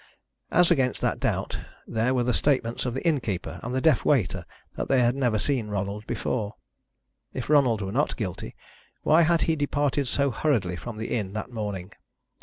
As against that doubt, there were the statements of the innkeeper and the deaf waiter that they had never seen Ronald before. If Ronald were not guilty, why had he departed so hurriedly from the inn that morning?